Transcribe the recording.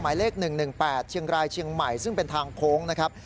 หมายเลข๑๑๘เชียงรายเชียงใหม่ซึ่งเป็นทางโค้งนะครับ